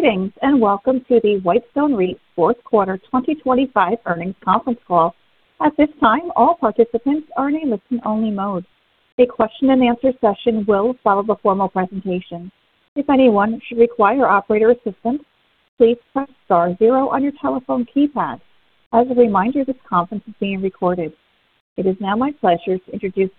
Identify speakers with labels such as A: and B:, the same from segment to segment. A: Greetings, and welcome to the Whitestone REIT's Q4 2025 Earnings Conference Call. At this time, all participants are in a listen-only mode. A question-and-answer session will follow the formal presentation. If anyone should require operator assistance, please press star zero on your telephone keypad. As a reminder, this conference is being recorded. It is now my pleasure to introduce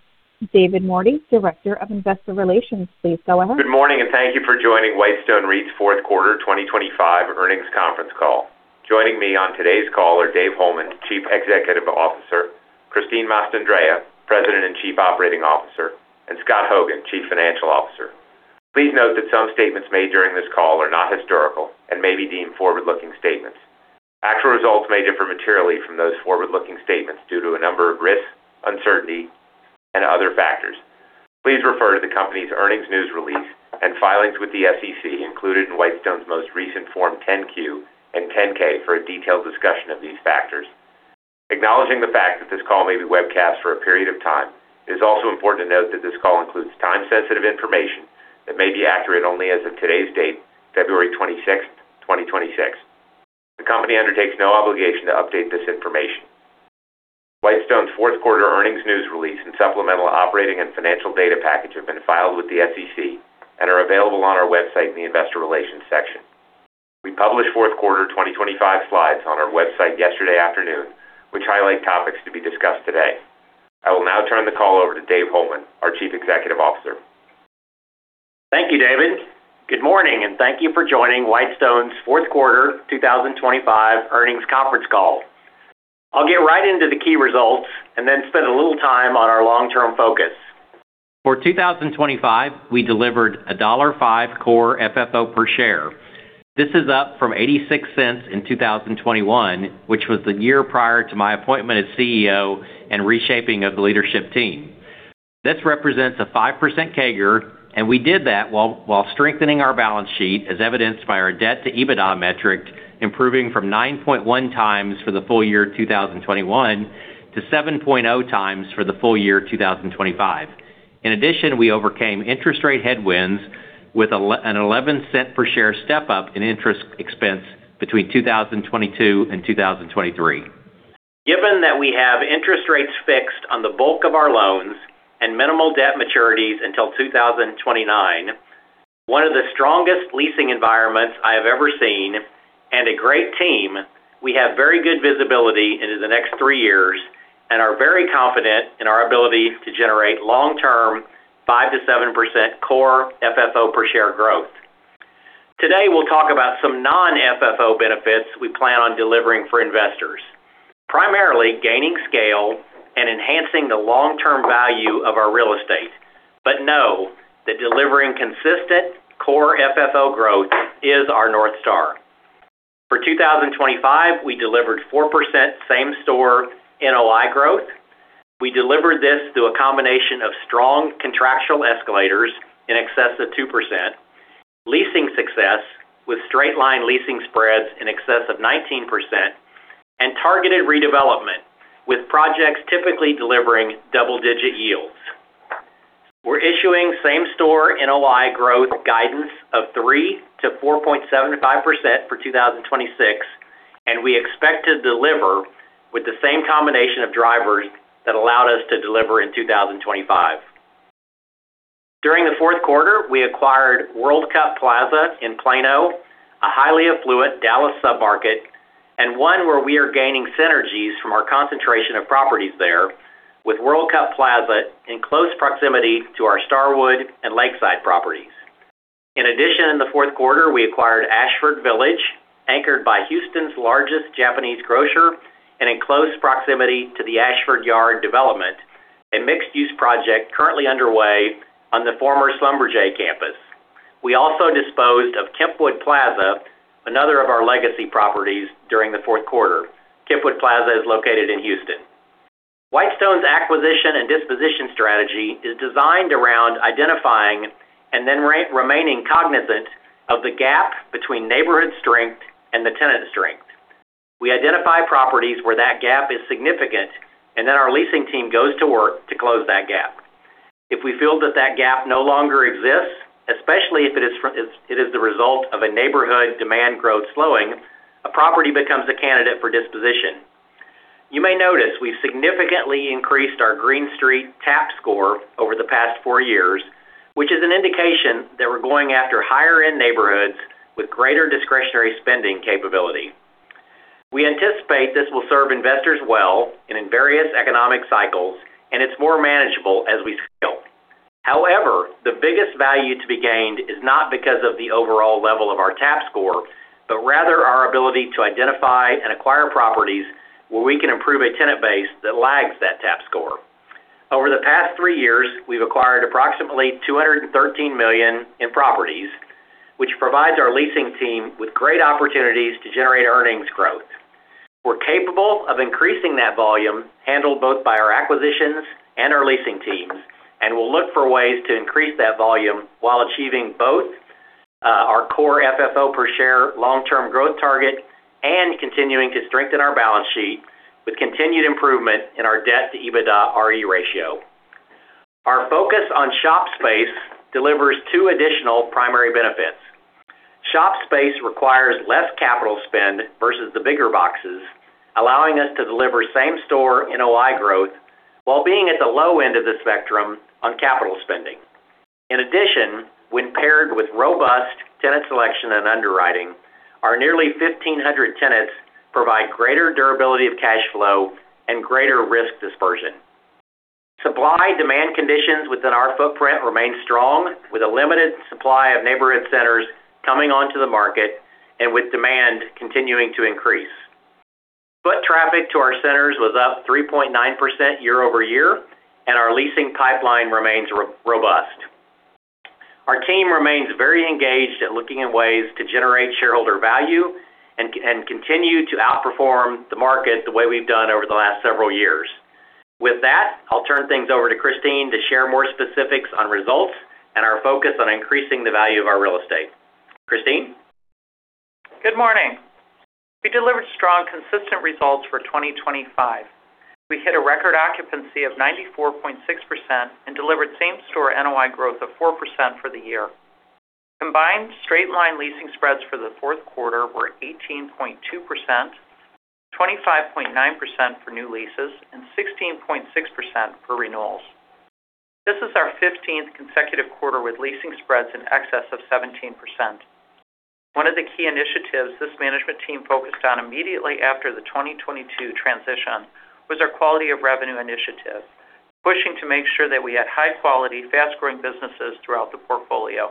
A: David Mordy, Director of Investor Relations. Please go ahead.
B: Good morning. Thank you for joining Whitestone REIT's Q4 2025 Earnings Conference Call. Joining me on today's call are Dave Holeman, Chief Executive Officer, Christine Mastandrea, President and Chief Operating Officer, and Scott Hogan, Chief Financial Officer. Please note that some statements made during this call are not historical and may be deemed forward-looking statements. Actual results may differ materially from those forward-looking statements due to a number of risks, uncertainty, and other factors. Please refer to the company's earnings news release and filings with the SEC, included in Whitestone's most recent Form 10-Q and Form 10-K for a detailed discussion of these factors. Acknowledging the fact that this call may be webcast for a period of time, it is also important to note that this call includes time-sensitive information that may be accurate only as of today's date, February 26th, 2026. The company undertakes no obligation to update this information. Whitestone's Q4 earnings news release and supplemental operating and financial data package have been filed with the SEC and are available on our website in the Investor Relations section. We published Q4 2025 slides on our website yesterday afternoon, which highlight topics to be discussed today. I will now turn the call over to Dave Holeman, our Chief Executive Officer.
C: Thank you, David. Good morning, and thank you for joining Whitestone's Q4 2025 Earnings Conference Call. I'll get right into the key results and then spend a little time on our long-term focus. For 2025, we delivered $1.05 Core FFO per share. This is up from $0.86 in 2021, which was the year prior to my appointment as CEO and reshaping of the leadership team. This represents a 5% CAGR, and we did that while strengthening our balance sheet, as evidenced by our Debt-to-EBITDA metric, improving from 9.1x for the full year 2021 to 7.0x for the full year 2025. In addition, we overcame interest rate headwinds with an $0.11 per share step up in interest expense between 2022 and 2023. Given that we have interest rates fixed on the bulk of our loans and minimal debt maturities until 2029, one of the strongest leasing environments I have ever seen and a great team, we have very good visibility into the next three years and are very confident in our ability to generate long-term 5% to 7% Core FFO per share growth. Today, we'll talk about some non-FFO benefits we plan on delivering for investors, primarily gaining scale and enhancing the long-term value of our real estate. Know that delivering consistent Core FFO growth is our North Star. For 2025, we delivered 4% Same Store NOI growth. We delivered this through a combination of strong contractual escalators in excess of 2%, leasing success with straight line leasing spreads in excess of 19%, and targeted redevelopment, with projects typically delivering double-digit yields. We're issuing Same Store NOI growth guidance of 3% to 4.75% for 2026, and we expect to deliver with the same combination of drivers that allowed us to deliver in 2025. During the Q4, we acquired World Cup Plaza in Plano, a highly affluent Dallas submarket, and one where we are gaining synergies from our concentration of properties there, with World Cup Plaza in close proximity to our Starwood and Lakeside properties. In addition, in the Q4, we acquired Ashford Village, anchored by Houston's largest Japanese grocer, and in close proximity to the Ashford Yard development, a mixed-use project currently underway on the former Schlumberger campus. We also disposed of Kempwood Plaza, another of our legacy properties, during the Q4. Kempwood Plaza is located in Houston. Whitestone's acquisition and disposition strategy is designed around identifying and then remaining cognizant of the gap between neighborhood strength and the tenant strength. We identify properties where that gap is significant, and then our leasing team goes to work to close that gap. If we feel that that gap no longer exists, especially if it is the result of a neighborhood demand growth slowing, a property becomes a candidate for disposition. You may notice we've significantly increased our Green Street TAP Score over the past four years, which is an indication that we're going after higher-end neighborhoods with greater discretionary spending capability. We anticipate this will serve investors well and in various economic cycles, and it's more manageable as we scale. The biggest value to be gained is not because of the overall level of our TAP Score, but rather our ability to identify and acquire properties where we can improve a tenant base that lags that TAP Score. Over the past three years, we've acquired approximately $213 million in properties, which provides our leasing team with great opportunities to generate earnings growth. We're capable of increasing that volume handled both by our acquisitions and our leasing teams. We'll look for ways to increase that volume while achieving both, our Core FFO per share long-term growth target and continuing to strengthen our balance sheet with continued improvement in our Debt-to-EBITDAre ratio. Our focus on shop space delivers two additional primary benefits. Shop space requires less capital spend versus the bigger boxes, allowing us to deliver Same Store NOI growth while being at the low end of the spectrum on capital spending. In addition, when paired with robust tenant selection and underwriting, our nearly 1,500 tenants provide greater durability of cash flow and greater risk dispersion. Supply-demand conditions within our footprint remain strong, with a limited supply of neighborhood centers coming onto the market and with demand continuing to increase. Foot traffic to our centers was up 3.9% year-over-year. Our leasing pipeline remains robust. Our team remains very engaged in looking at ways to generate shareholder value and continue to outperform the market the way we've done over the last several years. With that, I'll turn things over to Christine to share more specifics on results and our focus on increasing the value of our real estate. Christine?
D: Good morning. We delivered strong, consistent results for 2025. We hit a record occupancy of 94.6% and delivered Same Store NOI growth of 4% for the year. Combined straight line leasing spreads for the Q4 were 18.2%, 25.9% for new leases, and 16.6% for renewals. This is our fifteenth consecutive quarter with leasing spreads in excess of 17%. One of the key initiatives this management team focused on immediately after the 2022 transition was our quality of revenue initiative, pushing to make sure that we had high-quality, fast-growing businesses throughout the portfolio.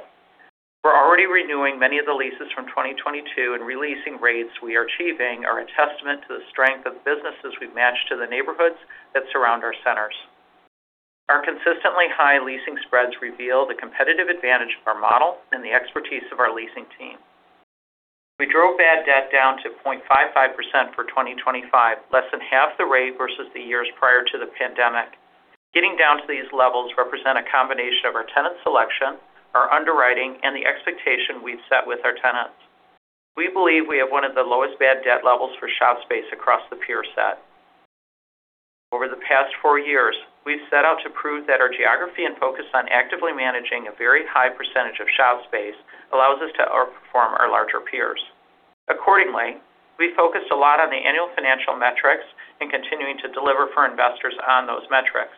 D: We're already renewing many of the leases from 2022, re-leasing rates we are achieving are a testament to the strength of the businesses we've matched to the neighborhoods that surround our centers. Our consistently high leasing spreads reveal the competitive advantage of our model and the expertise of our leasing team. We drove bad debt down to 0.55% for 2025, less than half the rate versus the years prior to the pandemic. Getting down to these levels represent a combination of our tenant selection, our underwriting, and the expectation we've set with our tenants. We believe we have one of the lowest bad debt levels for shop space across the peer set. Over the past four years, we've set out to prove that our geography and focus on actively managing a very high percentage of shop space allows us to outperform our larger peers. We focused a lot on the annual financial metrics and continuing to deliver for investors on those metrics.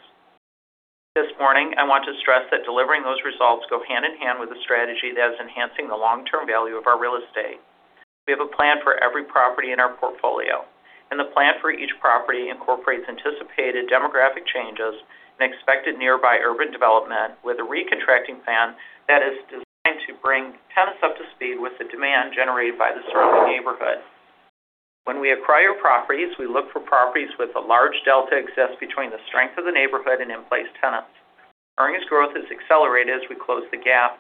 D: This morning, I want to stress that delivering those results go hand in hand with a strategy that is enhancing the long-term value of our real estate. We have a plan for every property in our portfolio, and the plan for each property incorporates anticipated demographic changes and expected nearby urban development, with a re-contracting plan that is designed to bring tenants up to speed with the demand generated by the surrounding neighborhood. When we acquire properties, we look for properties with a large delta excess between the strength of the neighborhood and in-place tenants. Earnings growth is accelerated as we close the gap.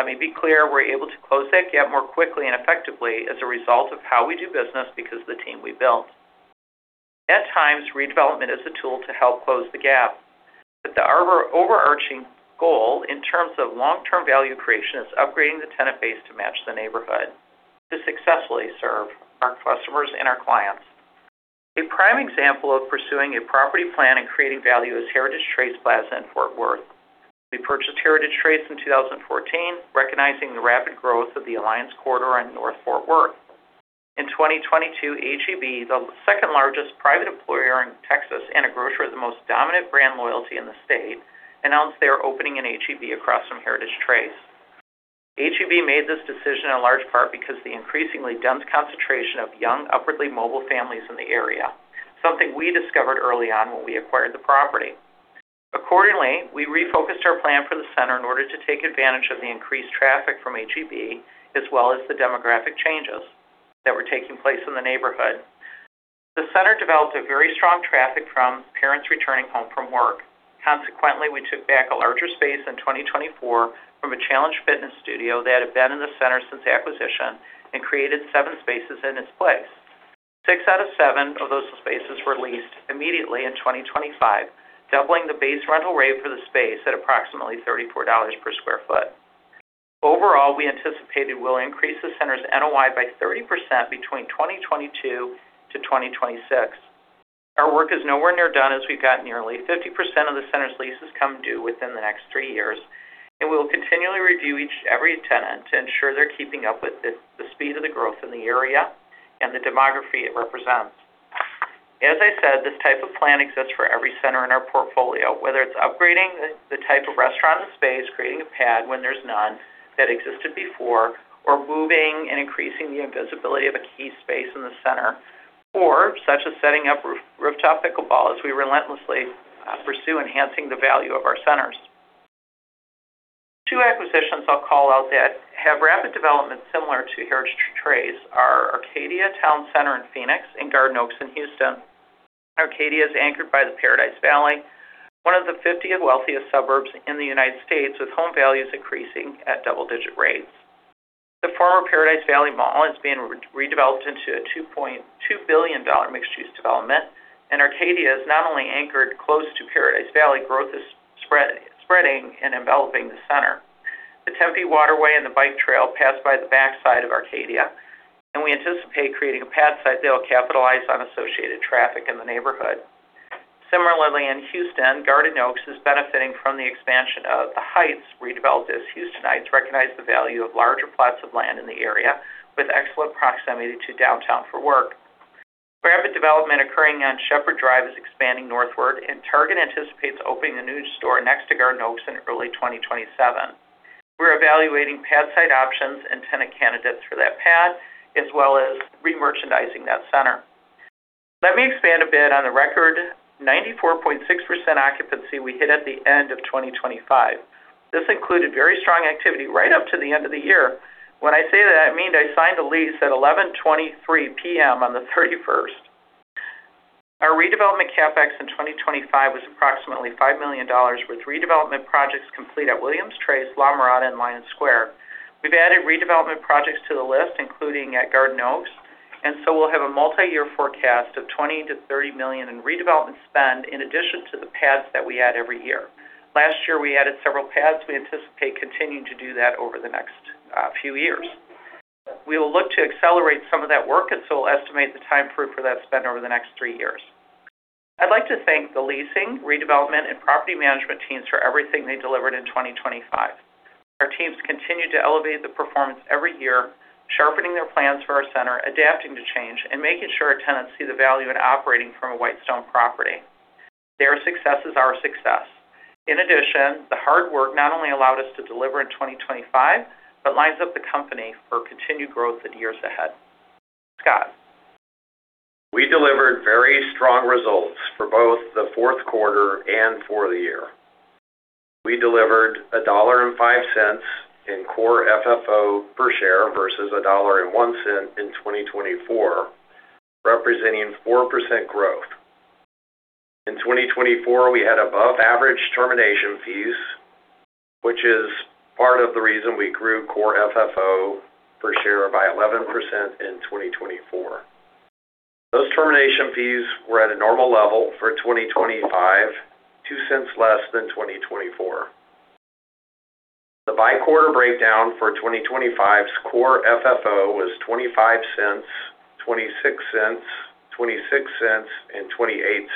D: Let me be clear, we're able to close that gap more quickly and effectively as a result of how we do business because of the team we built. At times, redevelopment is a tool to help close the gap, but the overarching goal in terms of long-term value creation is upgrading the tenant base to match the neighborhood to successfully serve our customers and our clients. A prime example of pursuing a property plan and creating value is Heritage Trace Plaza in Fort Worth. We purchased Heritage Trace in 2014, recognizing the rapid growth of the Alliance Corridor in North Fort Worth. In 2022, H-E-B, the second-largest private employer in Texas and a grocer with the most dominant brand loyalty in the state, announced they are opening an H-E-B across from Heritage Trace. H-E-B made this decision in large part because of the increasingly dense concentration of young, upwardly mobile families in the area, something we discovered early on when we acquired the property. Accordingly, we refocused our plan for the center in order to take advantage of the increased traffic from H-E-B, as well as the demographic changes that were taking place in the neighborhood. The center developed a very strong traffic from parents returning home from work. Consequently, we took back a larger space in 2024 from a challenged fitness studio that had been in the center since acquisition and created seven spaces in its place. Six out of seven of those spaces were leased immediately in 2025, doubling the base rental rate for the space at approximately $34 per sq ft. Overall, we anticipated we'll increase the center's NOI by 30% between 2022 to 2026. Our work is nowhere near done, as we've got nearly 50% of the center's leases come due within the next three years. We will continually review every tenant to ensure they're keeping up with the speed of the growth in the area and the demography it represents. As I said, this type of plan exists for every center in our portfolio, whether it's upgrading the type of restaurant and space, creating a pad when there's none that existed before, or moving and increasing the invisibility of a key space in the center, or such as setting up rooftop pickleball as we relentlessly pursue enhancing the value of our centers. Two acquisitions I'll call out that have rapid development similar to Heritage Trace are Arcadia Towne Center in Phoenix and Garden Oaks in Houston. Arcadia is anchored by the Paradise Valley, one of the 50 wealthiest suburbs in the United States, with home values increasing at double-digit rates. The former Paradise Valley Mall is being redeveloped into a $2.2 billion mixed-use development, Arcadia is not only anchored close to Paradise Valley, growth is spreading and enveloping the center. The Tempe waterway and the bike trail pass by the backside of Arcadia, We anticipate creating a pad site that will capitalize on associated traffic in the neighborhood. Similarly, in Houston, Garden Oaks is benefiting from the expansion of the Heights, redeveloped as Houstonites recognize the value of larger plots of land in the area, with excellent proximity to downtown for work. Rapid development occurring on Shepherd Drive is expanding northward, Target anticipates opening a new store next to Garden Oaks in early 2027. We're evaluating pad site options and tenant candidates for that pad, as well as re-merchandising that center. Let me expand a bit on the record. 94.6% occupancy we hit at the end of 2025. This included very strong activity right up to the end of the year. When I say that, I mean they signed a lease at 11:23 P.M. on the 31st. Our redevelopment CapEx in 2025 was approximately $5 million, with redevelopment projects complete at Williams Trace, La Mirada, and Lions Square. We've added redevelopment projects to the list, including at Garden Oaks. We'll have a multiyear forecast of $20 million to $30 million in redevelopment spend in addition to the pads that we add every year. Last year, we added several pads. We anticipate continuing to do that over the next few years. We will look to accelerate some of that work. We'll estimate the time frame for that spend over the next three years. I'd like to thank the leasing, redevelopment, and property management teams for everything they delivered in 2025. Our teams continue to elevate the performance every year, sharpening their plans for our center, adapting to change, and making sure our tenants see the value in operating from a Whitestone property. Their success is our success. In addition, the hard work not only allowed us to deliver in 2025, but lines up the company for continued growth in years ahead. Scott?
E: We delivered very strong results for both the Q4 and for the year. We delivered $1.05 in Core FFO per share, versus $1.01 in 2024, representing 4% growth. In 2024, we had above average termination fees, which is part of the reason we grew Core FFO per share by 11% in 2024. Those termination fees were at a normal level for 2025, $0.02 less than 2024. The by-quarter breakdown for 2025's Core FFO was $0.25, $0.26, $0.26, and $0.28.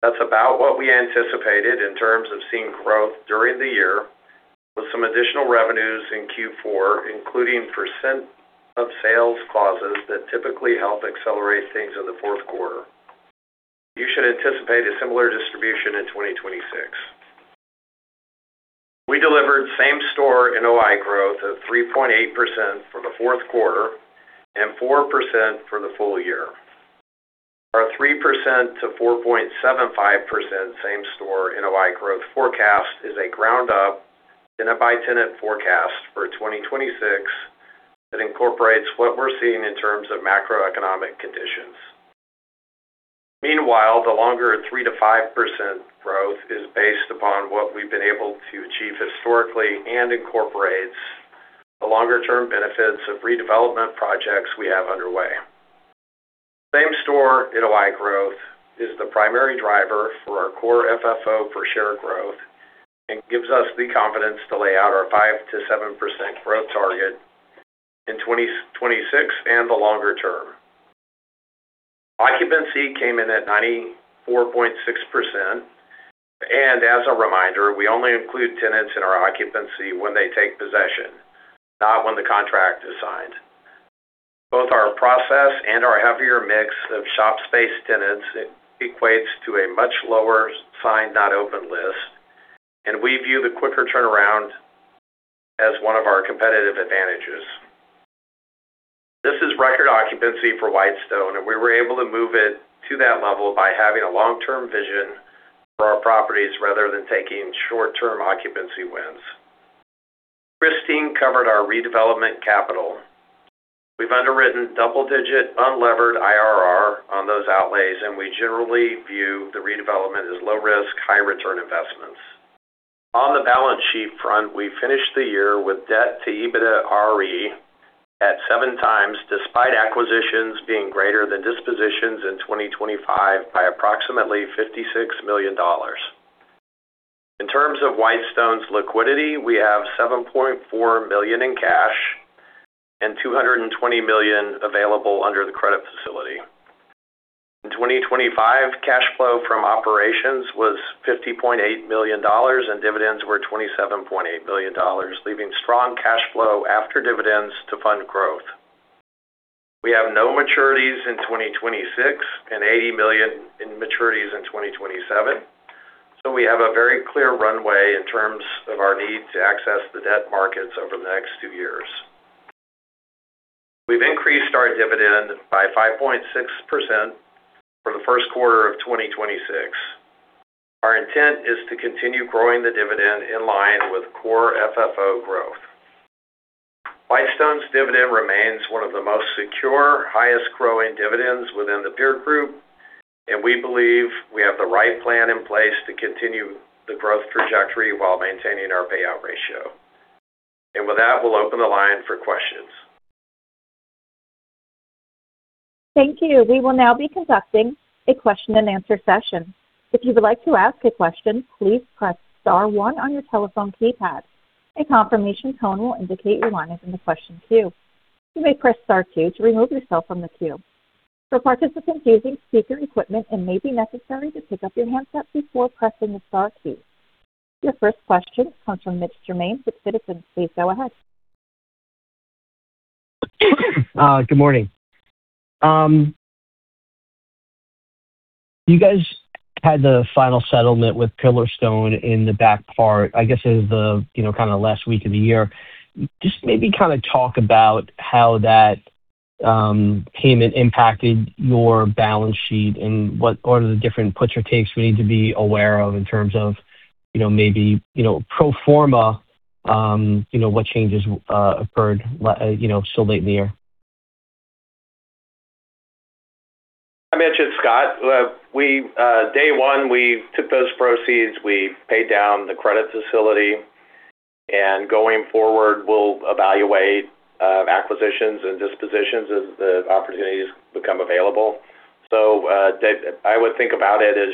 E: That's about what we anticipated in terms of seeing growth during the year, with some additional revenues in Q4, including percent of sales clauses that typically help accelerate things in the Q4. You should anticipate a similar distribution in 2026. We delivered Same Store NOI growth of 3.8% for the Q4 and 4% for the full year. Our 3% to 4.75% Same Store NOI growth forecast is a ground-up tenant by tenant forecast for 2026 that incorporates what we're seeing in terms of macroeconomic conditions. The longer 3% to 5% growth is based upon what we've been able to achieve historically and incorporates the longer-term benefits of redevelopment projects we have underway. Same Store NOI growth is the primary driver for our Core FFO per share growth and gives us the confidence to lay out our 5% to 7% growth target in 2026 and the longer term. Occupancy came in at 94.6%, as a reminder, we only include tenants in our occupancy when they take possession, not when the contract is signed. Both our process and our heavier mix of shop space tenants equates to a much lower signed, not open list. We view the quicker turnaround as one of our competitive advantages. This is record occupancy for Whitestone. We were able to move it to that level by having a long-term vision for our properties rather than taking short-term occupancy wins. Christine covered our redevelopment capital. We've underwritten double-digit unlevered IRR on those outlays. We generally view the redevelopment as low-risk, high-return investments. On the balance sheet front, we finished the year with Debt-to-EBITDAre at 7x, despite acquisitions being greater than dispositions in 2025 by approximately $56 million. In terms of Whitestone's liquidity, we have $7.4 million in cash and $220 million available under the credit facility. In 2025, cash flow from operations was $50.8 million, and dividends were $27.8 million, leaving strong cash flow after dividends to fund growth. We have no maturities in 2026 and $80 million in maturities in 2027, so we have a very clear runway in terms of our need to access the debt markets over the next two years. We've increased our dividend by 5.6% for the Q1 of 2026. Our intent is to continue growing the dividend in line with core FFO growth. Whitestone's dividend remains one of the most secure, highest growing dividends within the peer group, and we believe we have the right plan in place to continue the growth trajectory while maintaining our payout ratio. We'll open the line for questions.
A: Thank you. We will now be conducting a question-and-answer session. If you would like to ask a question, please press star one on your telephone keypad. A confirmation tone will indicate your line is in the question queue. You may press star two to remove yourself from the queue. For participants using speaker equipment, it may be necessary to pick up your handset before pressing the star key. Your first question comes from Mitch Germain with Citizens. Please go ahead.
F: Good morning. You guys had the final settlement with Pillarstone in the back part, I guess, it was the, you know, kind of last week of the year. Just maybe kind of talk about how that payment impacted your balance sheet and what are the different puts or takes we need to be aware of in terms of, you know, maybe, you know, pro forma, you know, what changes occurred, you know, so late in the year?
E: Hi, Mitch, it's Scott. We, day one, we took those proceeds, we paid down the credit facility, and going forward, we'll evaluate acquisitions and dispositions as the opportunities become available. That I would think about it as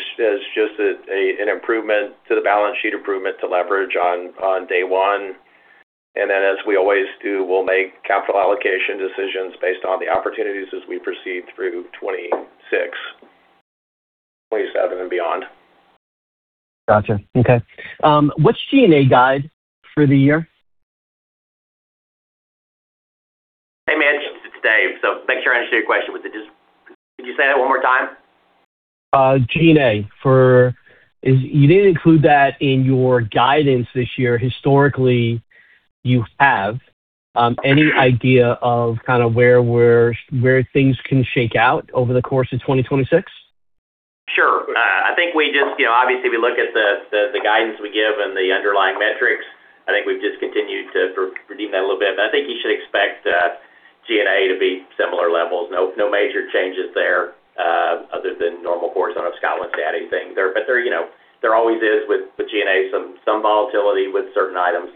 E: just a, an improvement to the balance sheet, improvement to leverage on day one. As we always do, we'll make capital allocation decisions based on the opportunities as we proceed through 2026, 2027 and beyond.
F: Got you. Okay. What's G&A guide for the year?
C: Hey, Mitch, it's Dave. Thanks for answering your question. Could you say that one more time?
F: G&A you didn't include that in your guidance this year. Historically, you have. Any idea of kind of where things can shake out over the course of 2026?
C: Sure. I think we just, you know, obviously, if you look at the guidance we give and the underlying metrics, I think we've just continued to redeem that a little bit. I think you should expect G&A to be similar levels. No, no major changes there, other than normal course on a Scotland daddy thing. There, but there, you know, there always is with G&A, some volatility with certain items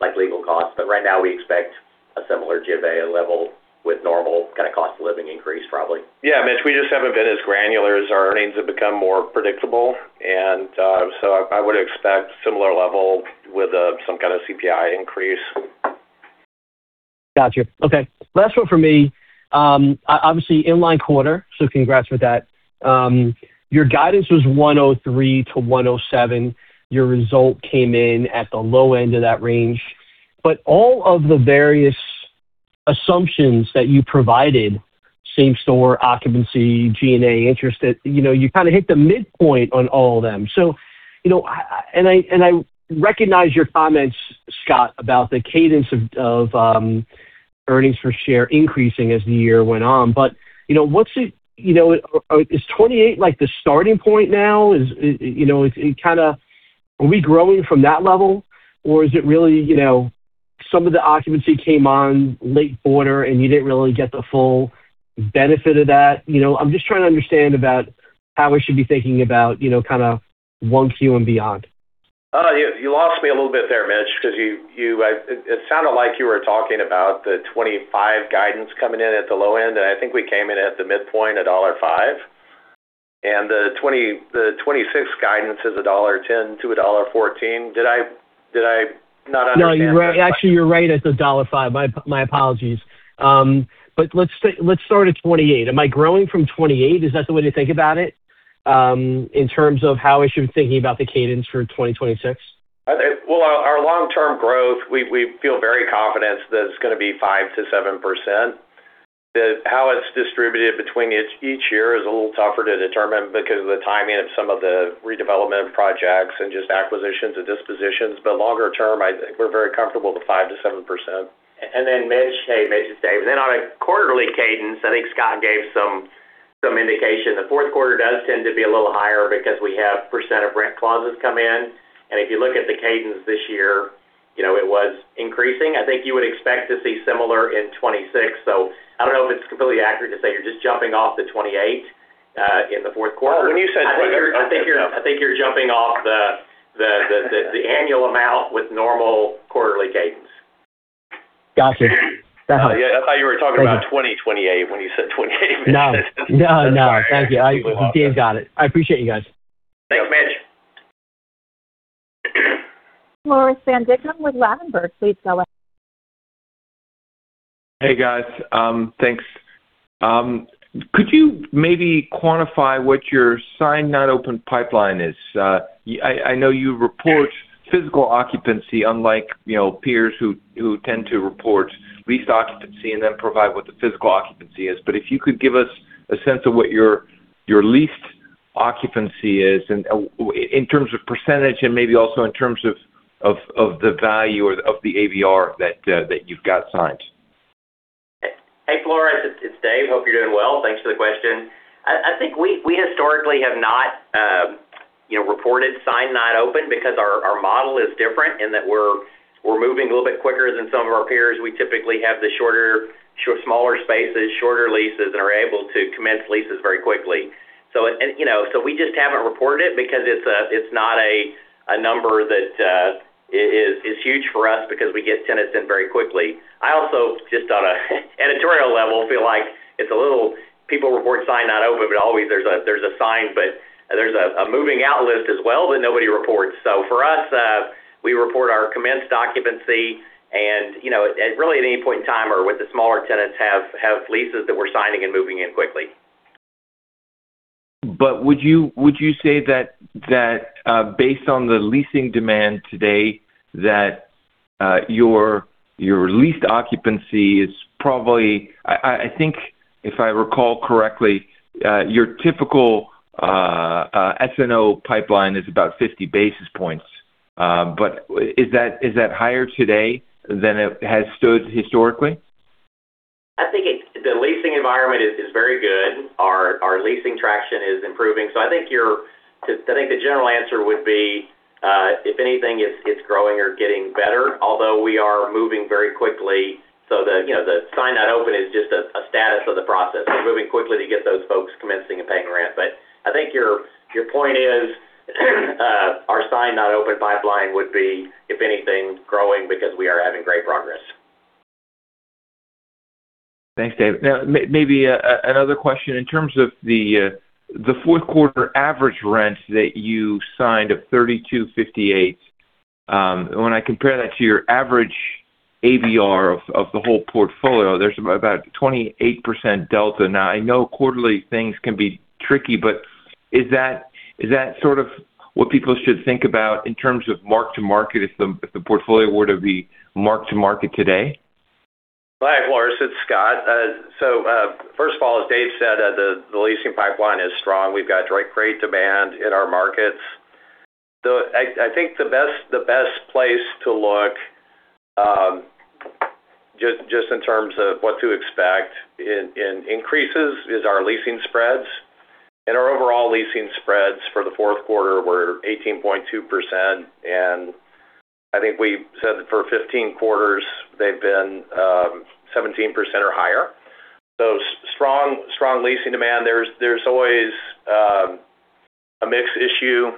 C: like legal costs, but right now we expect a similar G&A level with normal kind of cost of living increase, probably.
E: Yeah, Mitch, we just haven't been as granular as our earnings have become more predictable. I would expect similar level with some kind of CPI increase.
F: Got you. Okay. Last one for me. obviously, inline quarter, so congrats with that. your guidance was $1.03 to $1.07. Your result came in at the low end of that range. All of the various assumptions that you provided, Same Store, occupancy, G&A, interest, you know, you kind of hit the midpoint on all of them. You know, I, and I, and I recognize your comments, Scott, about the cadence of earnings per share increasing as the year went on. You know, what's it, you know, is $0.28 like the starting point now? Is, you know, it kind of, are we growing from that level? Or is it really, you know, some of the occupancy came on late quarter and you didn't really get the full benefit of that? You know, I'm just trying to understand about how we should be thinking about, you know, kind of 1 Q and beyond.
E: You lost me a little bit there, Mitch, because you sounded like you were talking about the 2025 guidance coming in at the low end, and I think we came in at the midpoint, $1.05. The 2026 guidance is $1.10 to $1.14. Did I not understand?
F: No, you're right. Actually, you're right, it's $1.05. My apologies. Let's start at 28. Am I growing from 28? Is that the way to think about it, in terms of how I should be thinking about the cadence for 2026?
E: Well, our long-term growth, we feel very confident that it's going to be 5% to 7%. How it's distributed between each year is a little tougher to determine because of the timing of some of the redevelopment projects and just acquisitions and dispositions. Longer term, I think we're very comfortable with 5% to 7%.
C: Mitch, hey, Mitch, it's Dave. On a quarterly cadence, I think Scott gave some indication. The Q4 does tend to be a little higher because we have percent of rent clauses come in. If you look at the cadence this year, you know, it was increasing. I think you would expect to see similar in 2026. I don't know if it's completely accurate to say you're just jumping off the 2028 in the Q4.
E: When you said-
C: I think you're jumping off the annual amount with normal quarterly cadence.
F: Got you.
E: Yeah, I thought you were talking about 2028 when you said 28.
F: No, no. Thank you. I indeed got it. I appreciate you guys.
C: Thank you, Mitch.
A: Floris van Dijkum with Ladenburg Thalmann. Please go ahead.
G: Hey, guys. Thanks. Could you maybe quantify what your signed, not open pipeline is? I know you report physical occupancy, unlike, you know, peers who tend to report leased occupancy and then provide what the physical occupancy is. If you could give us a sense of what your leased occupancy is and in terms of % and maybe also in terms of the value or of the ABR that you've got signed.
C: Hey, Floris, it's Dave. Hope you're doing well. Thanks for the question. I think we historically have not, you know, reported sign not open because our model is different in that we're moving a little bit quicker than some of our peers. We typically have the shorter, smaller spaces, shorter leases, and are able to commence leases very quickly. We just haven't reported it because it's not a number that is huge for us because we get tenants in very quickly. I also, just on an editorial level, feel like it's a little people report sign not open, but always there's a sign, but there's a moving out list as well that nobody reports. For us, we report our commenced occupancy and, you know, and really, at any point in time or with the smaller tenants have leases that we're signing and moving in quickly.
G: Would you say that based on the leasing demand today, that your leased occupancy I think if I recall correctly, your typical SNO pipeline is about 50 basis points. Is that higher today than it has stood historically?
C: I think the leasing environment is very good. Our leasing traction is improving. I think the general answer would be, if anything, it's growing or getting better, although we are moving very quickly. The, you know, the sign not open is just a status of the process. We're moving quickly to get those folks commencing and paying rent. I think your point is, our sign not open pipeline would be, if anything, growing because we are having great progress.
G: Thanks, Dave. Maybe another question. In terms of the Q4 average rent that you signed of $32.58, when I compare that to your average ABR of the whole portfolio, there's about 28% delta. I know quarterly things can be tricky, but is that sort of what people should think about in terms of mark-to-market, if the portfolio were to be mark-to-market today?
E: Hi, Floris, it's Scott. First of all, as Dave said, the leasing pipeline is strong. We've got great demand in our markets. I think the best place to look, just in terms of what to expect in increases, is our leasing spreads. Our overall leasing spreads for the Q4were 18.2%, and I think we said that for 15 quarters, they've been 17% or higher. Strong leasing demand, there's always a mix issue.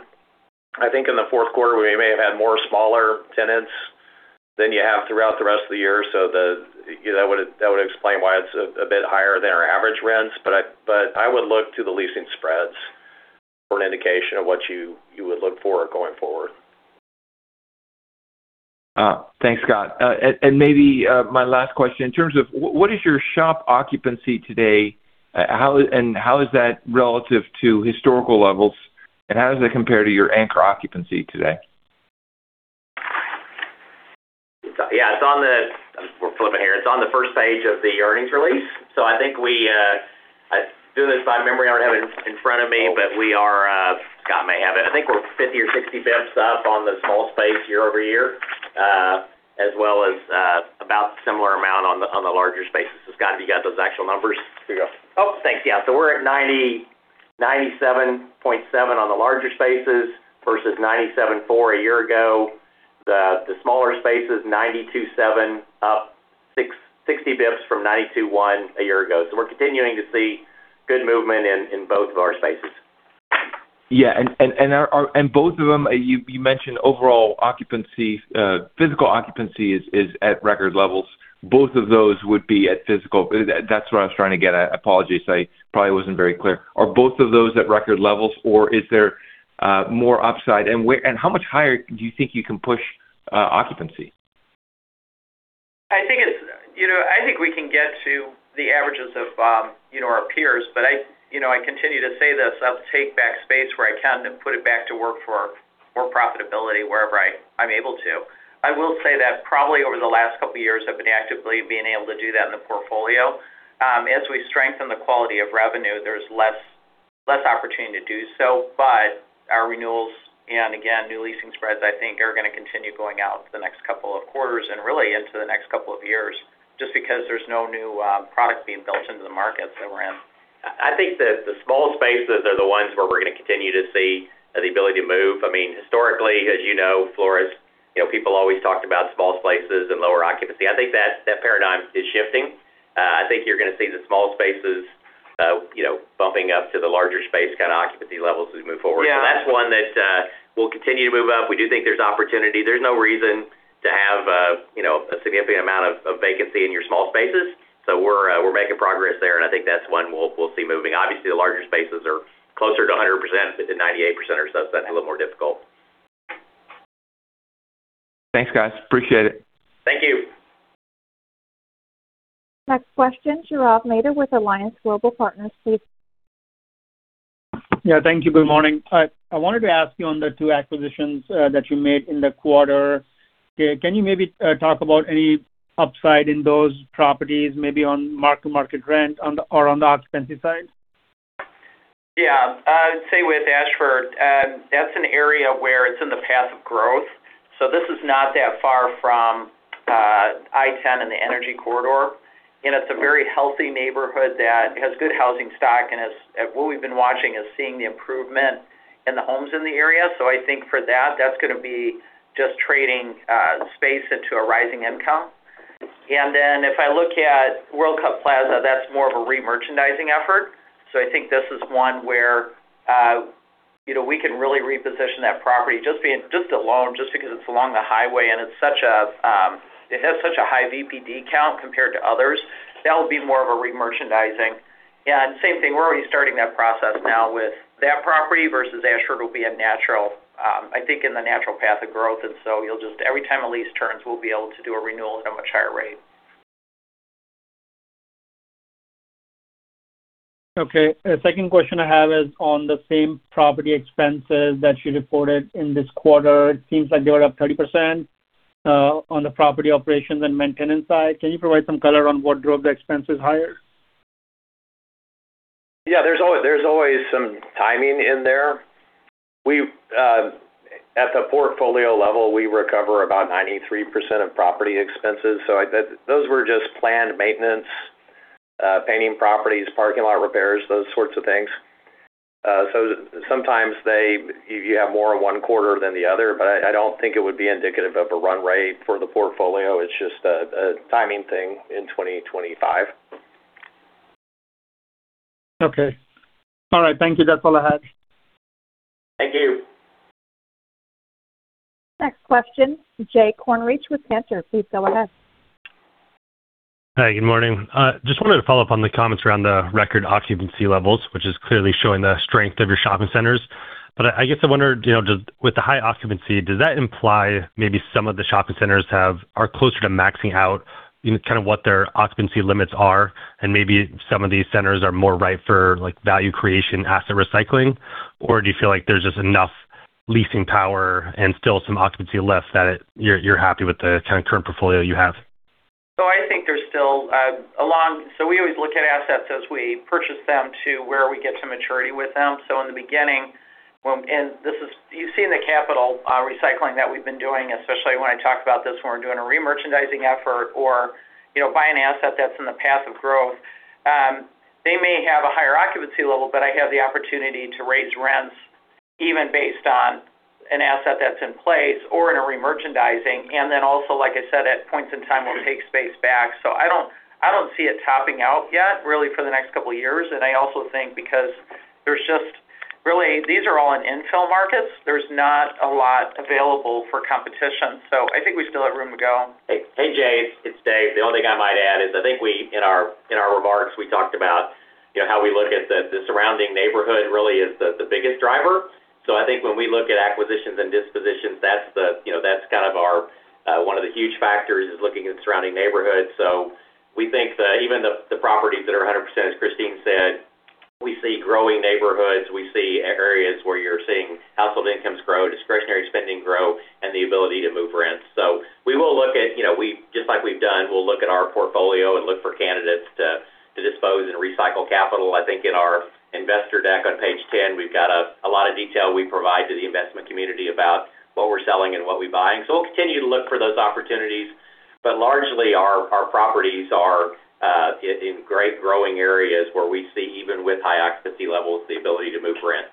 E: I think in the Q4, we may have had more smaller tenants than you have throughout the rest of the year, so you know, that would explain why it's a bit higher than our average rents. I would look to the leasing spreads for an indication of what you would look for going forward.
G: Thanks, Scott. Maybe, my last question: In terms of what is your shop occupancy today? How is that relative to historical levels, and how does it compare to your anchor occupancy today?
C: Yeah, we're flipping here. It's on the first page of the earnings release. I think we, I doing this by memory, I don't have it in front of me, but we are, Scott may have it. I think we're 50 basis points or 60 basis points up on the small space year-over-year, as well as, about similar amount on the larger spaces. Scott, have you got those actual numbers?
E: Here you go.
C: Oh, thanks. Yeah. We're at 97.7 on the larger spaces versus 97.4 a year ago. The smaller spaces, 92.7, up 60 basis points from 92.1 a year ago. We're continuing to see good movement in both of our spaces.
G: Yeah, and both of them, you mentioned overall occupancy, physical occupancy is at record levels. Both of those would be at physical. That's what I was trying to get at. Apologies, I probably wasn't very clear. Are both of those at record levels, or is there more upside? How much higher do you think you can push occupancy?
C: I think it's, you know, I think we can get to the averages of, you know, our peers, but I, you know, I continue to say this, I'll take back space where I can and put it back to work for more profitability wherever I'm able to. I will say that probably over the last couple of years, I've been actively being able to do that in the portfolio. As we strengthen the quality of revenue, there's less opportunity to do so, but our renewals and again, new leasing spreads, I think, are gonna continue going out for the next couple of quarters and really into the next couple of years, just because there's no new product being built into the markets that we're in. I think the small spaces are the ones where we're gonna continue to see the ability to move. I mean, historically, as you know, Floris, you know, people always talked about small spaces and lower occupancy. I think that paradigm is shifting. I think you're gonna see the small spaces, you know, bumping up to the larger space kind of occupancy levels as we move forward.
E: Yeah.
C: That's one that we'll continue to move up. We do think there's opportunity. There's no reason to have, you know, a significant amount of vacancy in your small spaces. We're making progress there, and I think that's one we'll see moving. Obviously, the larger spaces are closer to 100% to 98% or so. It's gonna be a little more difficult.
G: Thanks, guys. Appreciate it.
C: Thank you.
A: Next question, Gaurav Mehta with Alliance Global Partners, please.
H: Yeah, thank you. Good morning. I wanted to ask you on the two acquisitions that you made in the quarter. Can you maybe talk about any upside in those properties, maybe on mark-to-market rent or on the occupancy side?
D: Yeah. I'd say with Ashford, that's an area where it's in the path of growth. This is not that far from I-10 and the Energy Corridor, and it's a very healthy neighborhood that has good housing stock and has, what we've been watching is seeing the improvement in the homes in the area. I think for that's gonna be just trading space into a rising income. If I look at World Cup Plaza, that's more of a remerchandising effort. I think this is one where, you know, we can really reposition that property just being alone, just because it's along the highway, and it's such a, it has such a high VPD count compared to others. That will be more of a remerchandising. Same thing, we're already starting that process now with that property versus Ashford will be a natural, I think, in the natural path of growth. So every time a lease turns, we'll be able to do a renewal at a much higher rate.
H: Okay. The second question I have is on the same property expenses that you reported in this quarter. It seems like they were up 30% on the property operations and maintenance side. Can you provide some color on what drove the expenses higher?
D: Yeah, there's always some timing in there. We, at the portfolio level, we recover about 93% of property expenses, so those were just planned maintenance, painting properties, parking lot repairs, those sorts of things. Sometimes they, you have more in one quarter than the other, but I don't think it would be indicative of a run rate for the portfolio. It's just a timing thing in 2025.
H: Okay. All right, thank you. That's all I had.
D: Thank you.
A: Next question, Jay Kornreich with Cantor Fitzgerald. Please go ahead.
I: Hi, good morning. Just wanted to follow up on the comments around the record occupancy levels, which is clearly showing the strength of your shopping centers. I guess I wondered, you know, with the high occupancy, does that imply maybe some of the shopping centers are closer to maxing out, you know, kind of what their occupancy limits are, and maybe some of these centers are more ripe for, like, value creation, asset recycling? Do you feel like there's just enough leasing power and still some occupancy left, that you're happy with the kind of current portfolio you have?
D: I think there's still. We always look at assets as we purchase them to where we get to maturity with them. In the beginning, and this is, you've seen the capital recycling that we've been doing, especially when I talk about this, when we're doing a remerchandising effort or, you know, buying an asset that's in the path of growth. They may have a higher occupancy level, but I have the opportunity to raise rents even based on an asset that's in place or in a remerchandising. Also, like I said, at points in time, we'll take space back. I don't see it topping out yet, really, for the next 2 years. I also think because there's just really, these are all in infill markets, there's not a lot available for competition, so I think we still have room to go.
C: Hey, Jay, it's Dave. The only thing I might add is I think we, in our, in our remarks, we talked about, you know, how we look at the surrounding neighborhood really is the biggest driver. I think when we look at acquisitions and dispositions, that's the, you know, that's kind of our, one of the huge factors is looking at surrounding neighborhoods. We think that even the properties that are 100%, as Christine said, we see growing neighborhoods, we see areas where you're seeing household incomes grow, discretionary spending grow, and the ability to move rents. We will look at, you know, just like we've done, we'll look at our portfolio and look for candidates to dispose and recycle capital. I think in our investor deck on page 10, we've got a lot of detail we provide to the investment community about what we're selling and what we're buying. We'll continue to look for those opportunities, but largely our properties are in great growing areas where we see, even with high occupancy levels, the ability to move rent.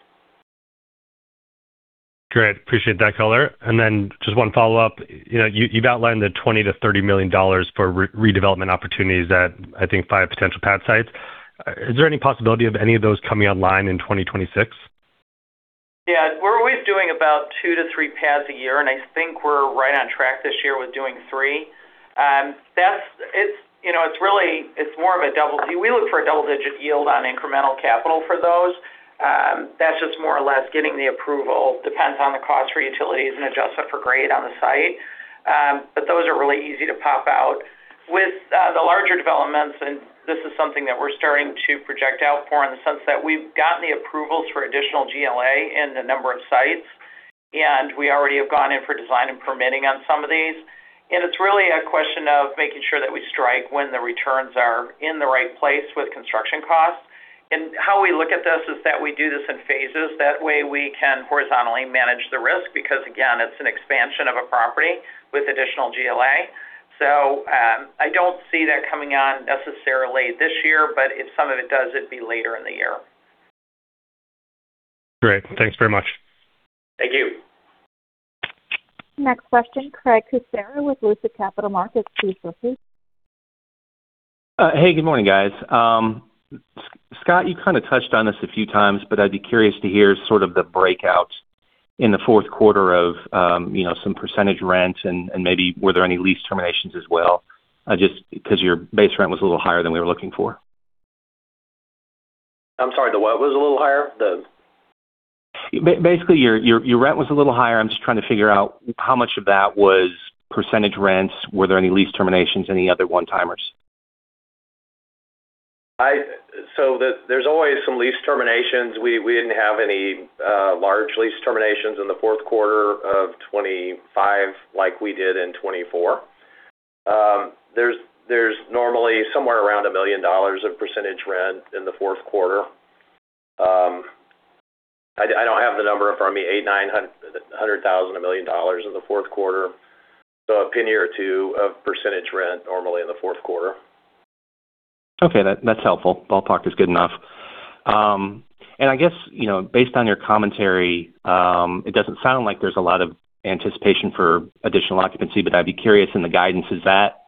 I: Great. Appreciate that color. Then just one follow-up. You know, you've outlined the $20 million to $30 million for redevelopment opportunities that I think five potential pad sites. Is there any possibility of any of those coming online in 2026?
D: Yeah, we're always doing about two to three pads a year, and I think we're right on track this year with doing three. That's, you know, it's really, it's more of a double-digit yield on incremental capital for those. That's just more or less getting the approval, depends on the cost for utilities and adjustment for grade on the site, but those are really easy to pop out. With the larger developments, and this is something that we're starting to project out for, in the sense that we've gotten the approvals for additional GLA in the number of sites, and we already have gone in for design and permitting on some of these. It's really a question of making sure that we strike when the returns are in the right place with construction costs. How we look at this is that we do this in phases. That way, we can horizontally manage the risk, because, again, it's an expansion of a property with additional GLA. I don't see that coming on necessarily this year, but if some of it does, it'd be later in the year.
I: Great. Thanks very much.
C: Thank you.
A: Next question, Craig Kucera with Lucid Capital Markets. Please proceed.
J: Hey, good morning, guys. Scott, you kind of touched on this a few times, but I'd be curious to hear sort of the breakout in the Q4 of, you know, some percentage rents and maybe were there any lease terminations as well? Just because your base rent was a little higher than we were looking for.
E: I'm sorry, the what was a little higher? The...
J: Basically, your rent was a little higher. I'm just trying to figure out how much of that was percentage rents. Were there any lease terminations, any other one-timers?
E: There's always some lease terminations. We didn't have any large lease terminations in the Q4 of 2025 like we did in 2024. There's normally somewhere around $1 million of percentage rent in the Q4. I don't have the number in front of me, $800,000, $900,000, $1 million in the Q4. A penny or two of percentage rent normally in the Q4.
J: Okay, that's helpful. ballpark is good enough. I guess, you know, based on your commentary, it doesn't sound like there's a lot of anticipation for additional occupancy, but I'd be curious in the guidance, is that,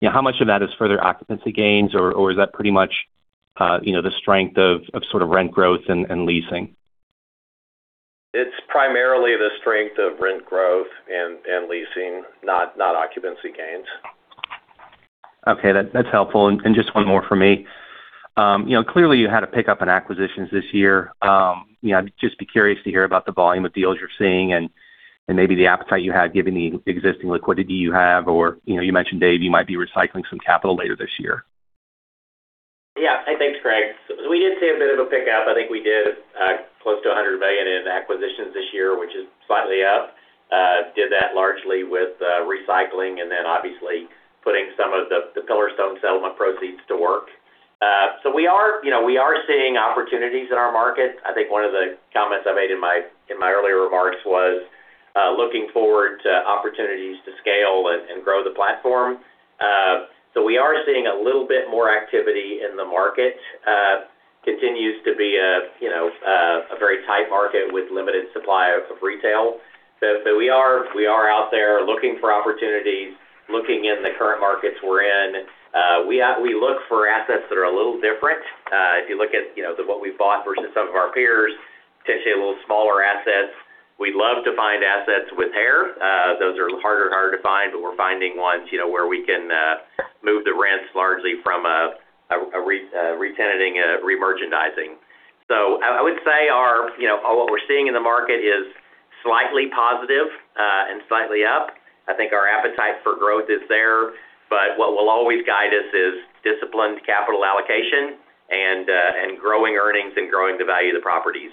J: you know, how much of that is further occupancy gains, or is that pretty much, you know, the strength of sort of rent growth and leasing?
E: It's primarily the strength of rent growth and leasing, not occupancy gains.
J: Okay, that's helpful. Just one more for me. you know, clearly, you had a pickup in acquisitions this year. you know, I'd just be curious to hear about the volume of deals you're seeing and, maybe the appetite you had, given the existing liquidity you have, or, you know, you mentioned, Dave, you might be recycling some capital later this year.
C: Yeah. Hey, thanks, Craig. We did see a bit of a pick up. I think we did close to $100 million in acquisitions this year, which is slightly up. Did that largely with recycling and then obviously, putting some of the Pillarstone settlement proceeds to work. We are, you know, we are seeing opportunities in our market. I think one of the comments I made in my, in my earlier remarks was looking forward to opportunities to scale and grow the platform. We are seeing a little bit more activity in the market. Continues to be a, you know, a very tight market with limited supply of retail. We are out there looking for opportunities, looking in the current markets we're in. we look for assets that are a little different. If you look at, you know, the, what we've bought versus some of our peers, potentially a little smaller assets. We love to find assets with hair. Those are harder and harder to find, but we're finding ones, you know, where we can move the rents largely from a re-tenanting and re-merchandising. You know, what we're seeing in the market is slightly positive and slightly up. I think our appetite for growth is there, but what will always guide us is disciplined capital allocation and growing earnings and growing the value of the properties.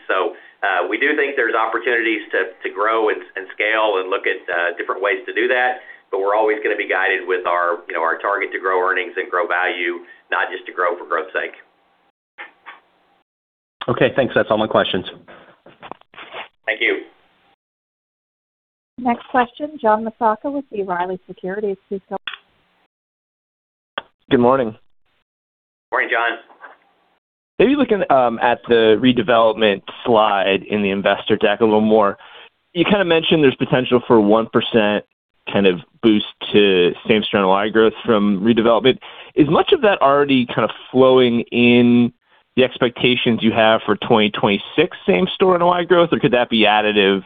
C: We do think there's opportunities to grow and scale and look at different ways to do that, but we're always gonna be guided with our, you know, our target to grow earnings and grow value, not just to grow for growth's sake.
J: Okay, thanks. That's all my questions.
C: Thank you.
A: Next question, John Massocca with B. Riley Securities.
K: Good morning.
C: Morning, John.
K: Maybe looking at the redevelopment slide in the investor deck a little more, you kind of mentioned there's potential for 1% kind of boost to same-store NOI growth from redevelopment. Is much of that already kind of flowing in the expectations you have for 2026 same-store NOI growth, or could that be additive,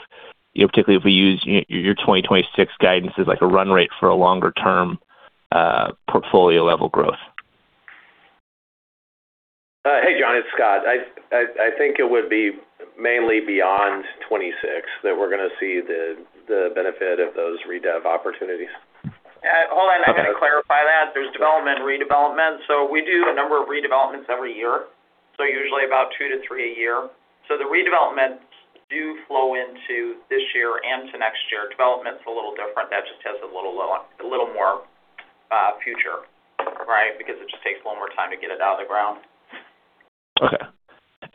K: you know, particularly if we use your 2026 guidance as, like, a run rate for a longer-term, portfolio-level growth?
E: Hey, John, it's Scott. I think it would be mainly beyond 2026 that we're gonna see the benefit of those redev opportunities.
D: Hold on. I've got to clarify that. There's development and redevelopment. We do a number of redevelopments every year, usually about two to three a year. The redevelopments do flow into this year and to next year. Development's a little different. That just has a little low a little more future, right? Because it just takes a little more time to get it out of the ground.
K: Okay.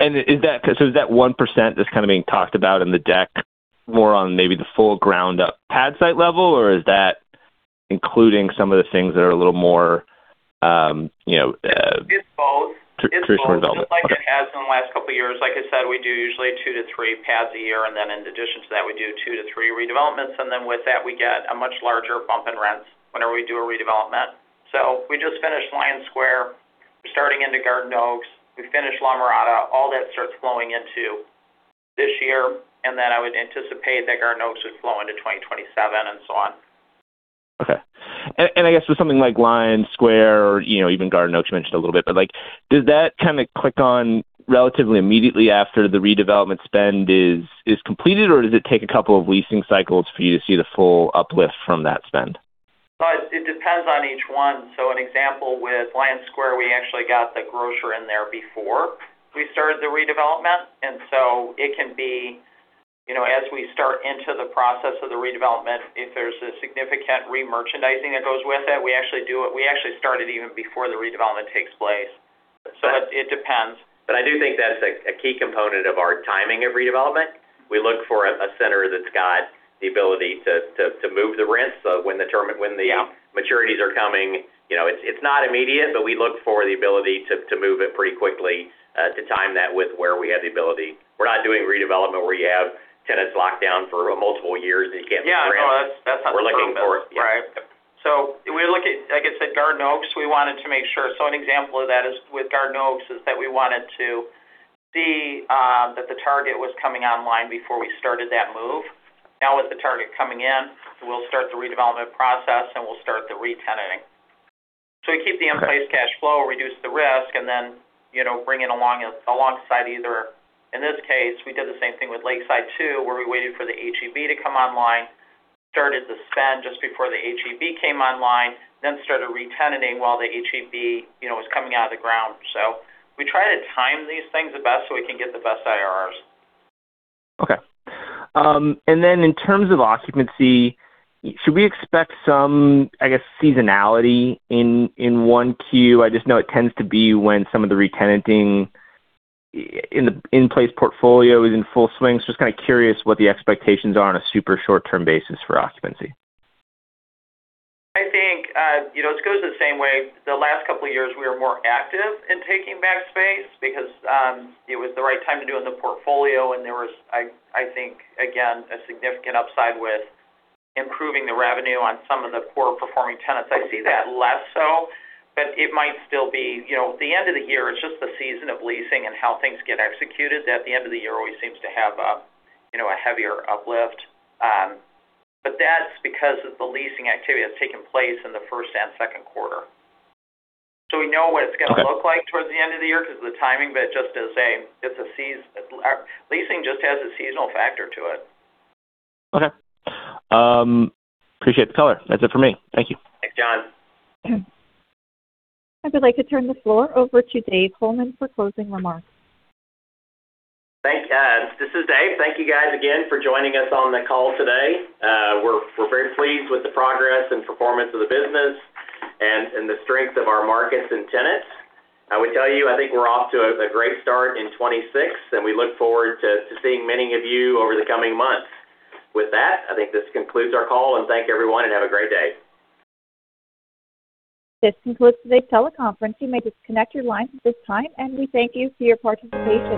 K: Is that, so is that 1% that's kind of being talked about in the deck, more on maybe the full ground-up pad site level, or is that including some of the things that are a little more, you know?
D: It's both.
K: Traditional development.
D: Just like it has in the last couple of years, like I said, we do usually two to three pads a year. In addition to that, we do two to three redevelopments. With that, we get a much larger bump in rents whenever we do a redevelopment. We just finished Lion Square. We're starting into Garden Oaks. We finished La Mirada. All that starts flowing into this year. I would anticipate that Garden Oaks would flow into 2027, and so on.
K: Okay. I guess with something like Lion Square or, you know, even Garden Oaks, you mentioned a little bit, but, like, does that kind of click on relatively immediately after the redevelopment spend is completed, or does it take a couple of leasing cycles for you to see the full uplift from that spend?
D: It depends on each one. An example with Lion Square, we actually got the grocer in there before we started the redevelopment. It can be, you know, as we start into the process of the redevelopment, if there's a significant remerchandising that goes with it, we actually do it. We actually start it even before the redevelopment takes place. It depends. I do think that's a key component of our timing of redevelopment. We look for a center that's got the ability to move the rents. When the maturities are coming, you know, it's not immediate, but we look for the ability to move it pretty quickly, to time that with where we have the ability. We're not doing redevelopment, where you have tenants locked down for multiple years, and you can't. Yeah, no, that's.
C: We're looking for...
D: Right. We look at, like I said, Garden Oaks, we wanted to make sure. An example of that is with Garden Oaks, is that we wanted to see that the Target was coming online before we started that move. Now, with the Target coming in, we'll start the redevelopment process, and we'll start the re-tenanting. We keep the in-place cash flow, reduce the risk, and then, you know, bring it along, alongside either. In this case, we did the same thing with Lakeside, too, where we waited for the H-E-B to come online, started the spend just before the H-E-B came online, then started re-tenanting while the H-E-B, you know, was coming out of the ground. We try to time these things the best, so we can get the best IRRs.
K: Okay. In terms of occupancy, should we expect some, I guess, seasonality in 1Q? I just know it tends to be when some of the re-tenanting in the in-place portfolio is in full swing. Just kind of curious what the expectations are on a super short-term basis for occupancy.
D: I think, you know, it goes the same way. The last couple of years, we were more active in taking back space because it was the right time to do in the portfolio, and there was, I think, again, a significant upside with improving the revenue on some of the poor-performing tenants. I see that less so, but it might still be... You know, the end of the year, it's just the season of leasing and how things get executed, that the end of the year always seems to have a, you know, a heavier uplift. But that's because of the leasing activity that's taking place in the Q1 and Q2. We know what it's gonna look like towards the end of the year because of the timing, but just as saying, it's a season. Leasing just has a seasonal factor to it.
K: Okay. Appreciate the color. That's it for me. Thank you.
C: Thanks, John.
A: I would like to turn the floor over to Dave Holeman for closing remarks.
C: This is Dave. Thank you, guys, again for joining us on the call today. We're very pleased with the progress and performance of the business and the strength of our markets and tenants. I would tell you, I think we're off to a great start in 2026, and we look forward to seeing many of you over the coming months. With that, I think this concludes our call, thank everyone, and have a great day.
A: This concludes the teleconference. You may disconnect your lines at this time, and we thank you for your participation.